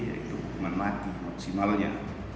yaitu hukuman mati maksimalnya